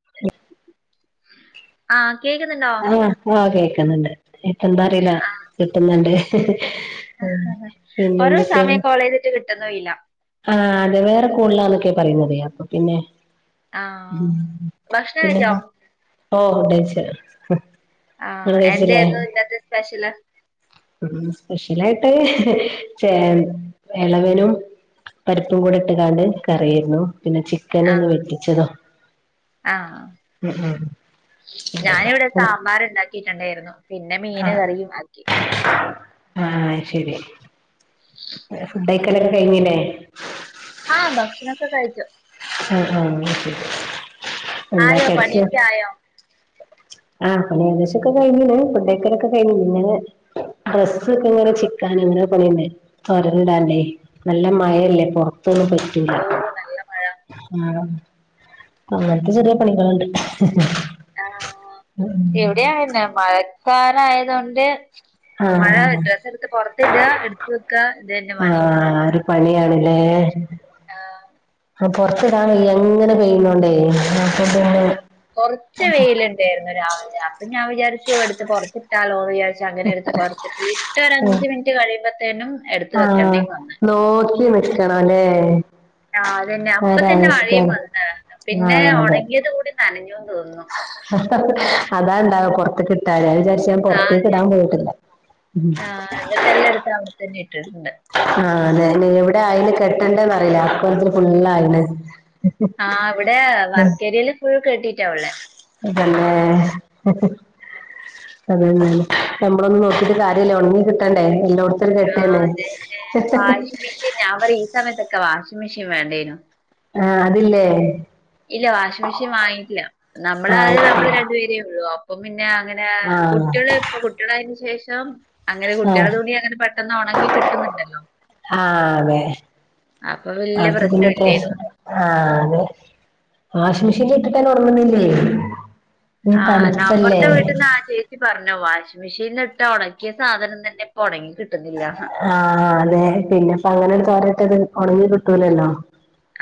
[inaudible] ആഹ കേക്കുന്നുണ്ടോ ആഹ കേക്കുന്നുണ്ട് ഇപ്പ എന്താ അറിയില്ല കിട്ടുന്നുണ്ട് ഹ്ഹ് ഹ് ഹ് ഓരോ സമയം കോള് ചെയ്തിട്ട് കിട്ടുന്നു ഇല്ല ആ അതെ വേറെ കൂടുലാന്നൊക്കെ പറയുന്നതേ അപ്പൊ പിന്നെ ആഹ് ഭക്ഷണം പിന്നെന്ത കഴിച്ചോ ഓ ഫുഡയിച്ച ഹ് ആഹ എന്തായിരുന്നു ഇന്നത്തെ സ്പെഷ്യല് ഉം സ്പെഷ്യലായിട്ട് ചേമ് ഇളവനും പരിപ്പും കൂടെ ഇട്ട് കണ്ട് കറിയിരുന്നു പിന്നെ ചിക്കൻ ഒന്ന് വെറ്റിച്ചതോ ആഹ [inaudible] ഞാനിവിടെ ഉം സാമ്പാർ ഇണ്ടാക്കിട്ടുണ്ടായിരുന്നു പിന്നെ മീന് കറിയും ആക്കി ആഹ ശരി ഫുഡ്ഡഴിക്കലൊക്കെ കഴിഞ്ഞിലെ ആഹ് ഭക്ഷ്ണൊക്കെ കഴിച്ചു ആഹ് ആഹ് എന്ത ആയോ കരിച്ച പണിയൊക്കെ ആയോ ആഹ് അപ്പണി ഏകദേശൊക്കെ കഴിഞ്ഞീന് ഫുഡ്ഡയ്ക്കലൊക്കെ കഴ്ഞ്ഞീന് ഡ്രസ്സ്‌ ക്ക്ങ്ങനെ ചിക്കാന്ണ്ട് പണിയെന്നെ തോരല്ടാണ്ട് നല്ല മഴല്ലെ പൊറത്ത് ഓ നല്ല മഴ ആഹ് അങ്ങൻത്തെ ചെറീ പണികള്ണ്ട് ആഹ് ഉമ് ടേ പിന്ന മഴക്കാലായതോണ്ട് മഴ ആഹ് ഡ്രസ്സ്‌ട്ത്ത് പൊറത്തിട എടുത്ത് വെക്ക ഇതന്നെ പണി പണിയാണ്ലേഹ് ആഹ് പൊറത്തിടാൻ വെയ്യ ഇങ്ങനെ പെയ്യ്ണോണ്ടെ അപൊ പിന്നെ കൊറ്ച്ച വെയില്ണ്ടേര്ന്ന് രാവിലെ അപ്പൊ ഞാ വിജാരിച്ചു എട്ത്ത് പൊറത്തിട്ടാലോന്ന് വിജാ ച്ചങ്ങനെ എടുത്ത് പൊറത്തിട്ട് ഉം ഇട്ടൊരഞ്ച് മിൻറ്റ് കഴിയുമ്പൊത്തേനും ആഹ് നോക്കി നിക്കണം ലേഹ് ആഹ് അതെന്നെ അപ്പതന്നെ മഴയും വന്ന് പിന്ന ആഹ് ഒണങ്ങിയത് കൂടി നനഞ്ഞൂന്ന് തോന്നുന്നു അതാണ്ടാവ പൊറത്ത്ക്ക്ട്ടാല് ജാരി ച്ച പൊർത്തേക്ക് ആദ്യം ഇടാം പോയിട്ടില്ല ആ എന്നിട്ടെല്ലാം എടുത്ത് അവിടെ തന്നെ ഇട്ടിട്ടുണ്ട് ആഹ് അതെ എവടെ അയല് കെട്ടണ്ടേന്നറീല്ല അപ്പഴത്തിന് ഫുള്ളായിന് ആഹ് ഇവടെ വർക്കേരീല് ഫുൾ കെട്ടിട്ടാ ഉള്ളെ ഇതെന്നേഹ് അത് തന്നെ ഞമ്മളൊന്നും നോക്കീട്ട് കാര്യല്ല ഉണങ്ങി കിട്ടണ്ടെ എല്ലോട് ക്കെ ആ കെട്ടന്നെ അതെ വാഷിംഗ് മെഷീൻ ഞാൻ പറിം ഈ സമയത്തൊക്കെ വാഷിംഗ് മിഷീൻ വേണ്ടേനു ആഹ് അതില്ലേ ഇല്ല വാഷിംഗ് മിഷീൻ വാങ്ങിട്ടില്ല നമ്മളത് ആഹ് നമ്മള് രണ്ട് പേരേ ഉള്ളു അപ്പം പിന്ന അങ്ങനെ പിന്നാ ആഹ് കുട്ടീള് ഇപ്പൊ കുട്ട്യളായിന് ശേഷം അങ്ങനെ ആഹ് കുട്ടീളെ തുണി ആഹ് അങ്ങനെ പെട്ടെന്ന് ഒണങ്കി കിട്ടുന്ന്ണ്ടല്ലൊ ആഹ് അപ്പൊ വല്യ പ്രശ്നൊ പ്രശ് ഇല്ലെര്ന്നു ആഹ് അതെ. വാഷിംഗ് മിഷീൻ ഇട്ടിട്ടന്നെ ഒണങ്ങ്ന്നില്ലെ ആഹ് ന്നാ അപ്പർത്ത വീട്ട്ന്നാ ചേ ച്ചി പറഞ്ഞു വാഷിംഗ് മിഷീനിലി ഇട്ട ഒണക്ക്യ സാധനം തന്നെ ഇപ്പൊ ഒണങ്ങി കിട്ട്ന്നില്ല ആഹ് അതേ പിന്നപ്പ അങ്ങനണ്ട് തോരട്ടത് ഒണങ്ങി കിട്ടൂലലൊ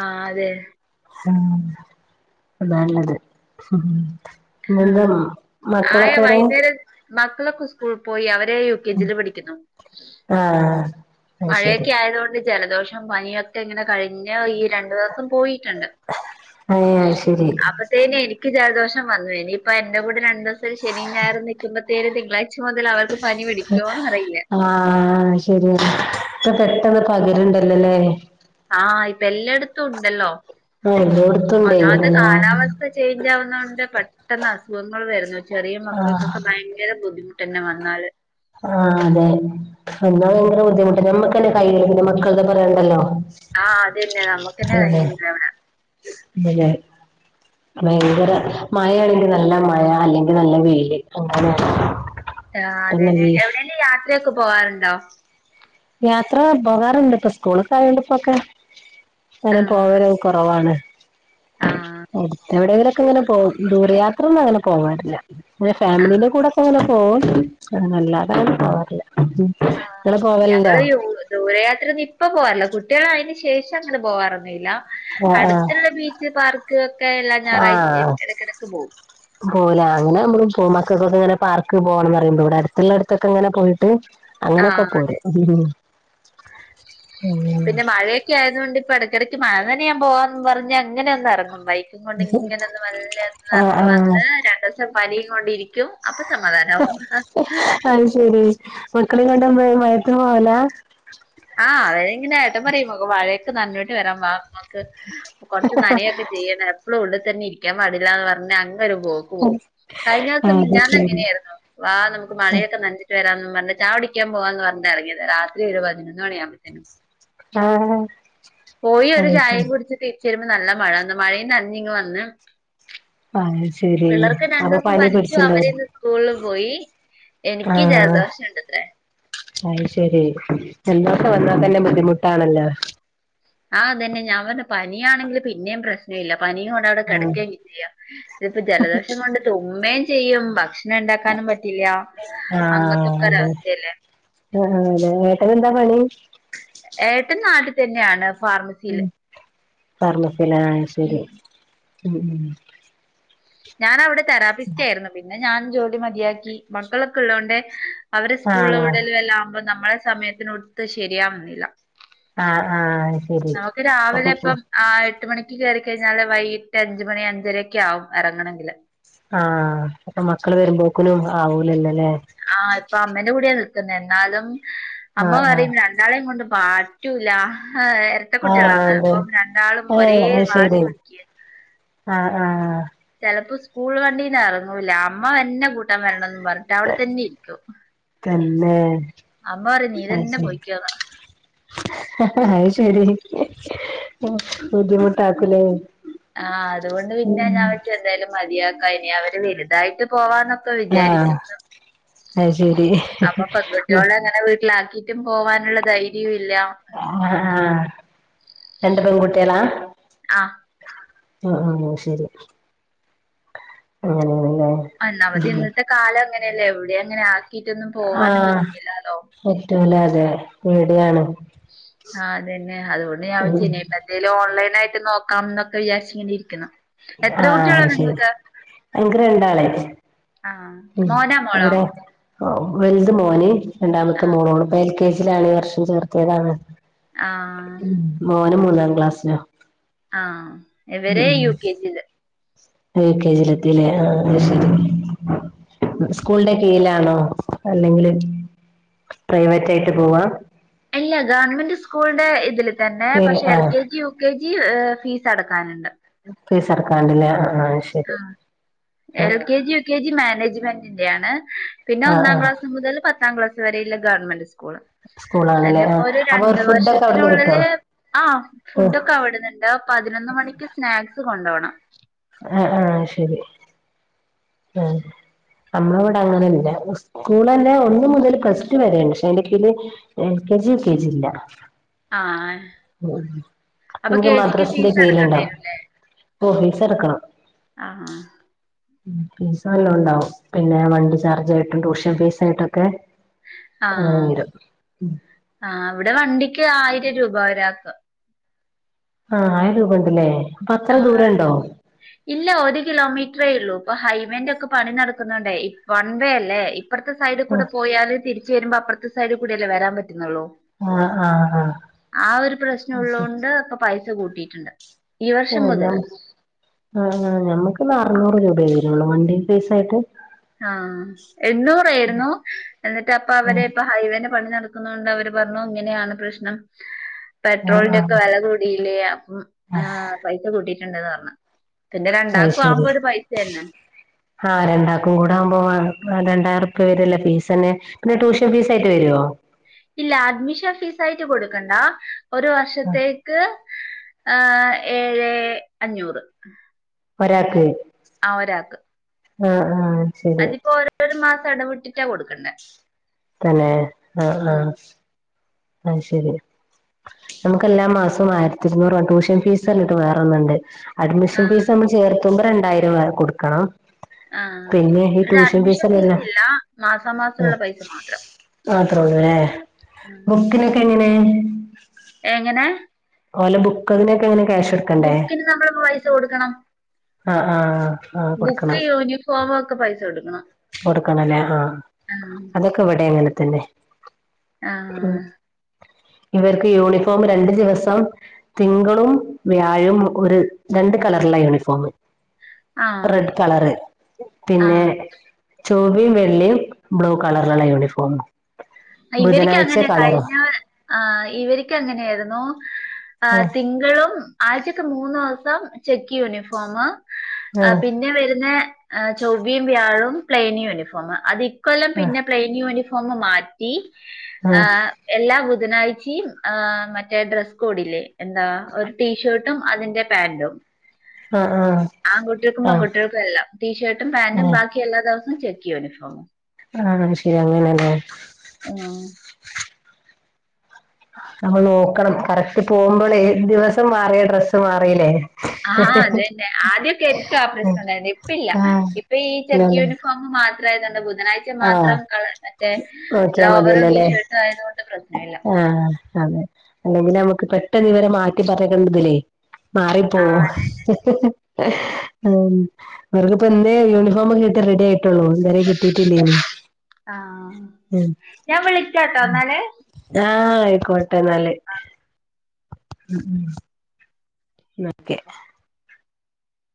ആഹ് തേ ഉം അതാല്ലത് ഇന്നെന്താ ആഹ് ഉം ആയ മക്കളൊക്കെവടേ വൈകുന്നേരം മക്കളൊക്കെ സ്കൂളി അവര് യൂ കെ ജീല് പഠിക്കുന്നു ആഹ് അത് ശരി മഴയൊക്കെ ആയത്കൊണ്ട് ജലദോഷം പനിയൊക്കെ ഇങ്ങനെ കഴിഞ്ഞ ഈ രണ്ട് ഒര്ദിവസം പോയീട്ട്ണ്ട് ഏഹ് അത് ശരി അപ ത്തേന് എനിക്ക് ജലദോഷം വന്നു എനി ഇപ്പൊ എന്റെ കൂടെ രണ്ടിസം ശനി ഞാഴറും നിക്കുമ്പത്തീന് തിളാഴ് ച മുതല് അവർക്ക് പനി പിടിക്കോന്ന് അറിയില്ല ആഹ് ശരിയാണ്. ഇപ്പ പെട്ടെന്ന് പകര്ൺണ്ടല്ലലേ ആഹ് ഇപ്പ എല്ലട്ത്തു ഉണ്ടല്ലൊ ആഹ് എല്ലോട്ത്തൂണ്ടെ അ [unintelligible] സ്ഥ ചെയ്ഞ്ചാവ്ന്ന കൊണ്ട് പെട്ടെന്ന് അസുഖങ്ങൾ വരുന്നു ചെറിയ ആഹ് മക്കക്കൊക്കെ ഭയ ങ്കരം ബുദ്ധിമുട്ടെന്നെ വന്നാല് ആഹ് അതെ ഭയങ്കര ബുദ്ധിമുട്ട ഞമ്മക്കന്നെ കയ്യി പിന്നെ മക്കളത് പറയണ്ടല്ലോ ആഹ് അതന്നെ നമ്മുക്കന്നെ കഴിയുന്നില്ല ഇവിടെ ഇല്ലല്ലേ ഭയങ്കര മഴയാണെങ്കിൽ നല്ല മഴ അല്ലെങ്കിൽ നല്ല വെയില് അങ്ങനെ ആഹ് അതെന്നെ എവിടെലും യാത്രയൊക്കെ പോവാറുണ്ടോ യാത്ര പോകാറുണ്ട് ഇപ്പ സ്കൂളൊക്കെ ആയോണ്ട് ഇപ്പോക്കെ സ്ഥലം ആഹ് പോവലൊക്കെ കൊറവാണ് ആഹ് അടുത്ത് എവിടെങ്കിലൊക്കെ ഇങ്ങനെ പോവും ദൂരയാത്ര ഒന്നും അങ്ങനെ പോകാറില്ല ആഹ് ഫാമിലിന്റെ കൂടൊക്കെ അങ്ങനെ പോ വും അല്ലാതെ അങ്ങനെ പോവാറില്ല ആഹ് നിങ്ങള് പോവലുണ്ടോ ഞങ്ങള് യു ദൂരെ യാത്ര ഒന്നും ഇപ്പം പോവാറില്ല കുട്ടികൾ അയതിന് ശേഷം അങ്ങനെ പോവാറൊന്നുല്ല ആഹ് ആഹ് അടുത്തുള്ള ബീച്ച് പാർക്ക് ഒക്കെ എല്ലാ ഞായറാഴ്ചയും ഇടക്കിടക്ക് പോവും പോവുല്ലേ അങ്ങനെ നമ്മളും പോവൂം മക്കൊക്കൊക്കെ ഇങ്ങനെ പാർക്ക് പോണംന്ന് പറുമ്പോ ഇവിടെ അടുത്തുള്ള ഇടത്തൊക്കെ ഇങ്ങനെ പോയിട്ട് അങ്ങനൊക്കെ ആഹ് പോരും പിന്നെ മഴയൊക്കെ ആയതുകൊണ്ട് ഇപ്പ ഇടക്കിടയ്ക്ക് മഴ നനയാൻ പോവാന്ന് പറഞ്ഞ് അങ്ങനെ ഒന്ന് ഇറങ്ങും വൈ കൊണ്ട് ഇങ്ങനൊന്ന് വന്ന് ആഹ് നനഞ്ഞ് ആഹ് വന്ന് രണ്ടോസം പനിയും കൊണ്ടിരി ക്കും അപ്പൊ സമാധാനവും അയ് ശരി മക്കളിം കൊണ്ട് നമ്മള് ഈ മഴത്ത് പോവലാ ആഹ് അവരിങ്ങനെ ഏട്ടൻ പറയും മഴയൊക്കെ നനഞ്ഞിട്ട് വരാം വാ മക്ക കൊറച്ച് നനയൊക്കെ ചെയ്യാ എപ്പളും ഉള്ളിൽ തന്നെ ഇരിക്കാൻ പാടില്ലന്ന് പറഞ്ഞ് അ ങ്ങനൊരു പോക്ക് പോവും കഴിഞ്ഞ ദിവസം അത് മിഞ്ഞാന്ന് ശരി അങ്ങനെയായിരുന്നു വാ നമുക്ക് മഴയൊക്കെ നഞ്ഞിട്ട് വരാന്നും പറഞ്ഞ് ചായ കുടിക്കാൻ പോവാന്ന് പറഞ്ഞ് ഇറങ്ങിയതാ രാത്രി ഒരുപ പയ്നൊന്നു മണി ആവുമ്പാതെനും ആഹ് പോയി ഒരു അത് ശരി ചായയും കുടിച്ച് തിരിച്ച് വരുമ്പോ നല്ല മഴയാണു മഴ നനഞ്ഞ് ഇങ്ങനെ വന്ന് അത് ശരി പിള്ളേർക്ക് അപ്പൊ രണ്ടൂസം പനി പനിച്ചു പിടിച്ചിണ്ടാവും അവരിന്ന് സ്കൂളിൽ പോയി എനിക്ക് ജലദോഷം ഉണ്ടത്ര അയ് ശരി ജലദോഷം വന്നാ തന്നെ ബുദ്ധിമുട്ടാണല്ലോ ആഹ് അതന്നെ ഞാൻ പറഞ്ഞ് പനിയാണെങ്കിൽ പിന്നേം പ്രശ്നമില്ല പനിയ ഉം കടക്കുകയും ചെയ്യാം ഇപ്പോ ജലദോഷം കൊണ്ട് തുമ്മയും ചെയ്യും ഭക്ഷ ഉണ്ടാക്കാനും പറ്റില്ല അങ്ങത്തൊക്കെ ആഹ് ഒരു അതെ അവസ്ഥല്ലേ ആഹ് ല്ലെ ഏട്ടന് എന്താ പണി ഏട്ടൻ നാട്ടിൽ തന്നെയാണ് ഫാർമ ഉം ഫാർമസീല ശരി ഉം ഉം ഞാൻ അവിടെ തെറാപ്പിസ്റ്റ് ആയിരുന്നു പിന്നെ ഞാൻ ജോലി മതിയാക്കി മക്കളൊക്കെ ഉള്ളണ്ട് അവരെ സ്കൂള് ആഹ് വിടൽ എല്ലാം ആകുമ്പോൾ നമ്മളെ സമയത്തിനൊടുത്ത് ശരിയാവുന്നില്ല ആഹ് ആഹ് ശരി നമുക്ക് രാവിലെ അപ്പപ്പോ ഇപ്പം ആഹ് എട്ട് മണിക്ക് കയറി കഴിഞ്ഞാല് വൈകിട്ട് അഞ്ച്മണി അഞ്ചരൊക്കെ ആവും ഏറങ്ങണങ്കില് ആഹ് അപ്പ മക്കള് വരുമ്പോക്കിനും ആവൂലല്ലല്ലേ ആഹ് ഇപ്പൊ അമ്മേന്റെ കൂടെയാണ് നിൽക്കുന്ന എന്നാലും അമ്മ ആഹ് ആഹ് പറയും ര ണ്ടാളെയും കൊണ്ട് പാറ്റൂല ഇരട്ട കുട്ടികളാണ് ആഹ് അതെ അപ്പം രണ്ടാളും ഏഹ് ഒരേ അത് വാശി ശരി പിടിക്കയാ ആഹ് ആഹ് ചെലപ്പോ സ്കൂൾ വണ്ടീന്ന് ഇറങ്ങൂല അമ്മ തന്നെ കൂട്ടാൻ വരണന്ന് പറഞ്ഞിട്ട് അവിടെ തന്നെ ഇരിക്കും തന്നെ അമ്മാ പറയും നീ തന്നെ പോയിക്കോന്ന് അയ് ശരി ബുദ്ധിമുട്ടാക്കൂലേ. ആഹ്, അതുകൊണ്ട് പിന്നെ ഉം ഞാൻ ഇവിടെ ചെന്നൈയില് മതിയാക്കാം, ഇനി അവര് വലുതായിട്ട് പോവാന്നൊ ആഹ് ആയ് ശരി. അപ്പൊ ആഹ് പെൺകുട്ടീളെ ങ്ങനെ വീട്ടിലാക്കിട്ടും പോവാനുള്ള ധൈര്യവുല്ലാ. ആ ആ രണ്ട് പെൺകുട്ടീളാ? ആഹ് ആ ആ ശരി. അങ്ങനെണ്ല്ലെ. ഒന്നാമത് ഇന്നത്തെ കാലം അങ്ങനെയല്ലേ, എവിടെങ്ങനെ ആക്കീട്ടൊന്നും പോവാനും പറ്റുന്നില്ലാലോ. പറ്റൂല്ലലേ പേടിയാണ്. ആഹ് അതന്നെ അതുകൊണ്ട് ഞാ ഉം ചെ [unintelligible] എന്തേലും ഓൺലൈനായിട്ട് നോക്കാന്നൊക്കെ വിചാരിച്ചിങ്ങനെ രിക്കുന്നു. ആഹ് ശരി. ഇൻക്ക് രണ്ടാള് ആഹ് ഉം മോനാ മോളോ? ഇവരാ ഓഹ്, വൽത് മോന് രണ്ടാമത്തെ മോള് പ്പൊ എൽ. കെ ജിയിലാണ് ഈ വർഷം ചേർത്തിയതാണ്. ആഹ് മോന് മൂന്നാം ക്ലാസ്സിലാ. ആഹ്, ഇവര് യു. കെ. ജി ല്. എ കെ ജിലെത്തില്ലേ ഹ് അത് ശരി. സ്കൂളിന്റെ കീഴിലാണോ അല്ലെങ്കില് പ്രൈവറ്റായിട്ട് പോവാ? അല്ല ഗവൺമെന്റ് സ്കൂളിന്റെതില് തന്നെ ഫീല് പക്ഷെ എൽ. ആഹ് K. G U K G fees അടക്കാനുണ്ട്. ഫീസടക്കാനുണ്ട്ല്ലേ ആ ആ അയ് ആഹ് L. K. G U. K. G മാനേജ്മെന്റിന്റെയാണ്. പിന്നേ ആഹ് ഒന്നാം ആഹ് ക്ലാസ് മുതൽ പത്താം ക്ലാസ് വരെയുള്ള ഗവൺമെന്റ്സ് [unintelligible] സ്കൂളാണല്ലേ ആഹ് എന്നെപ്പോലെ ഒരു അപ്പൊ രണ്ടു ഫുഡൊക്കെ അവിടുന്ന് കിട്ടോ വർഷത്തിനുള്ളില് ആഹ് ആഹ് ഫുഡൊക്കെ അവിടെ ന്താ പതിനൊന്ന് മണിക്ക് സ്നാക്സ് കൊണ്ടോണം. ആ ആ ശരി ആഹ്. നമ്മളവടെ അങ്ങനെല്ല, സ്കൂളന്നെ ഒന്നു മുതല് പ്ലസ്ടു വരെണ്ട്, പക്ഷേ അയിൻ്റെ കീയില് L. K. G U. K. G ല്ലാ. ആഹ്. ഉ അപ്പൊ നമുക്ക് കെ ജിക്ക് മദ്രസ്സിന്റെ ഫീസ് അടക്കേണ്ടി കീഴിലുണ്ടോ വരൂല്ലേ ഓഹ് ഫീസ് അടക്കണം. ആഹ് ആ. ഫീസല്ലോം ണ്ടാവും പിന്നെ വണ്ടി ചാർജ് ആയിട്ടും ട്യൂഷൻ ഫീസാ യിട്ടൊക്കെ ആഹ് ആ ഇവിടെ വണ്ടിക്ക് ആയിരം രൂപ ഒരാക്ക്. ആഹ് ആയിരം രൂപണ്ട്ല്ലേ അപ്പൊ അത്ര ആഹ് ദൂരണ്ടോ? ഇല്ല ഒരു കിലോമീറ്ററേള്ളൂ, ഇപ്പൊ ഹൈവേന്റെ ഒക്കെ പണി നടക്കുന്നുണ്ടേയ് വൺവേ അല്ലേ. അപ്പറത്തെ സൈഡ് ആഹ് കൂടെ പോയാല് തിരിച്ച് വരുമ്പോ അപ്പർത്തെ സൈഡ് കൂടെല്ലേ വരാൻ പറ്റുന്നള്ളോ. ആഹ് ആഹ് ആഹ് ആ ഒരു പ്രശ്ന ഉള്ളോണ്ട് പ്പൊ പൈസ കൂട്ടീയിട്ടുണ്ട്. ഞമ്മ ആ ഞമ്മക്ക്ന്ന് അറുനൂറ് രൂപ വരുള്ളൂ വണ്ടി ഫീസായിട്ട്. ആഹ്, എണ്ണൂറേര്ന്നു എന്നിട്ട് അപ്പൊ ആഹ് അവരെപ്പ ഹൈവേന്റെ പണി നടക്കുന്നോണ്ട് അവര് പറഞ്ഞു, ഇങ്ങനെയാണ് പ്രശ്നം പെട്രോളിന്റെ ഒക്കെ ആഹ് വെലകൂ ല്ലേ അപ്പം ആഹ് പൈസ കൂട്ടിയിട്ടുണ്ട് പർഞ്ഞു. പിന്നെ അത് രണ്ടാക്കാവുമ്പോ ശരി ഒരു പൈസന്നെ. ആഹ് രണ്ടാക്കും കൂടാകുമ്പോ രണ്ടായിരുർപ്യ വര്ല്ലേ ഫീസന്നെ. പിന്നെ ട്യൂഷൻ ഫീസായിട്ട് വരൂഓ? ഇല്ല, അഡ്മിഷൻ ഫീസായിട്ട് കൊടുക്കണ്ട ഒരു വർഷത്തേക്ക് ആഹ് ഏഴേ അഞ്ഞൂറ്. ഒരാക്ക്. ആഹ് ഒരാക്ക്. ആഹ് ആ. അതിപ്പോ ഓരോ രോ മാസം ഇടവിട്ടിട്ടാ കൊടുക്കണ്ടേ. തന്നെ ആഹ് ഉം ആഹ് അഹ്ശരി നമുക്ക് എല്ലാ മാസവും ആയിരത്തി ഇരുന്നൂറാ ട്യൂഷൻ ഫീസർഞ്ഞിട്ട് വേറൊന്നുണ്ട് അഡ്മിഷൻ ആഹ് ഫീസ് നമ്മൾ ചേർത്തുമ്പോ രണ്ടായിരം കൊടുക്കണം ആഹ് പിന്നെ ഈ ഇവിടെ ട്യൂഷൻ അഡ്മിഷൻ ഫീസ് ഇല്ല ഫീസല്ലല്ലോ മാസാമാസം ഉള്ള പൈസ മാത്രം മാത്രൊള്ളൂലേ ഉം ബുക്കിനൊക്കെ എങ്ങനെ എങ്ങനെ ഓലെ ബുക്കതിനൊക്കെങ്ങനെ ക്യാഷൊ ബുക്കിന് നമ്മളിപ്പോ പൈസ കൊടുക്കണം ആഹ് ആഹ് ആഹ് കൊടുക്കണം ബുക്ക് യൂണിഫോമൊക്കെ പൈസ കൊടുക്കണം കൊടുക്കണല്ലേ ആഹ് ആഹ് അതൊക്കെ ഇവിടെ അങ്ങനെത്തന്നെ ആഹ് ഇവര്ക്ക് യൂണിഫോമ് രണ്ടു ദിവസം തിങ്കളും വ്യാഴം ഒര് രണ്ട് കളറിലാ യൂണിഫോമ് ആഹ് റെഡ് കളറ് പിന്നെ ആഹ് ചൊവ്വിം വെള്ളിം ബ്ലൂ കളർള്ള്ള യൂണിഫോമ് ഇവര്ക്കങ്ങനെ കഴിഞ്ഞ ആഹ് ഇവര്ക്ക് അങ്ങനെയായിരുന്നു ആ ആഹ് തിങ്കളും ആഴ്ചക്ക് മൂന്ന് ദിവസം ചെക്ക് യൂണിഫോമ് ആഹ് പിന്നെ വരുന്നെ ആഹ് ചൊവ്വിം വ്യാഴും പ്ലെയിൻ യൂണിഫോമ് അതിക്കൊല്ലം ആഹ് പിന്നെ പ്ലെയിൻ യൂണിഫോമ് മാറ്റി റ്റി ആഹ് എല്ലാ ബുധനാഴ്ച്ചിം മറ്റേ ഡ്രസ്സ് കോഡില്ലേ എന്താ ഒരു ടീഷർട്ടും അതിന്റെ പാന്റും ആഹ് ആൺകുട്ട്യൾക്കും ആഹ് പെൺകുട്ടികൾക്കും എല്ലാം ടീഷർട്ടും പാന്റും ആഹ് ആഹ് ബാക്കി എല്ലാ ദിവസും ചെക്ക് യനിഫോമും ആഹ്ശരി അങ്ങനേല്ലേ ആഹ് നമ്മൾ നോക്കണം കറക്റ്റ് പോകുമ്പളേ ദിവസം മാറിയ ഡ്രസ്സ് മാറില്ലേ ആഹ് അതേന്നെ ആദ്യൊക്കെ എനിക്കാ ആ പ്രശ്നണ്ടായിരുന്നു ഇപ്പ ഇല്ല ആഹ് ഇപ്പൊ ഈ ചെക്ക് ഇല്ലല്ലേ യൂണിഫോമ് ഫോമ് മാത്രായതോണ്ട് ബുധനായ് ച്ച ആഹ് മാത്രം കളർ മറ്റേ നോക്കിയാ ലോവറും മതിയല്ലോല്ലേ ടീഷർട്ടും ആയത് കൊണ്ട് പ്രശ്നമില്ല ആഹ് അതെ അല്ലെങ്കില് നമുക്ക് പെട്ടെന്ന് ഇവരെ മാറ്റി പറഞ്ഞയക്കണ്ടതിലേ ആ മാറിപ്പോവും അതെ ഉം. ഓര്ക്കിപ്പൊ എന്തേ യൂണഫോമ് കിട്ടി റെഡി ആയിട്ടൊള്ളു ഇതരെ കിട്ടിട്ട് ആഹ് ഞാൻ വിളിക്കാട്ടോ എന്നാലേ ആഹ് ആയിക്കോട്ടെന്നാല് ഉം ഉം ന്നാ ഓക്കെ